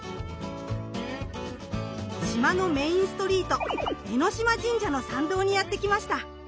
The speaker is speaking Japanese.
島のメインストリート江島神社の参道にやって来ました。